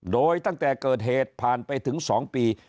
โดยตั้งแต่เกิดเหตุผ่านไปถึง๒ปี